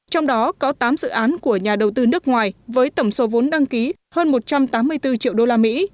trong đó có tám dự án của nhà đầu tư nước ngoài với tổng số vốn đăng ký hơn một trăm tám mươi bốn triệu đô la mỹ